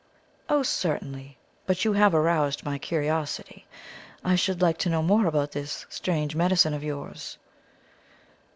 "Oh, certainly! But you have aroused my curiosity. I should like to know more about this strange medicine of yours."